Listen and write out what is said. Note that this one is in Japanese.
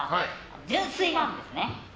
純粋なんですね。